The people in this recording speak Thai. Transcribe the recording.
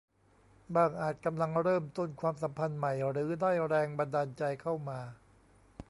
บ้างอาจกำลังเริ่มต้นความสัมพันธ์ใหม่ หรือได้แรงบันดาลใจเข้ามา